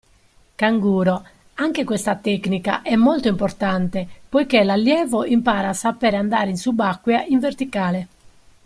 Canguro: anche questa tecnica è molto importante poiché l'allievo impara a sapere andare in subacquea in verticale.